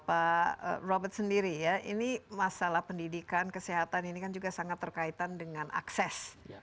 pak robert sendiri ya ini masalah pendidikan kesehatan ini kan juga sangat terkaitan dengan akses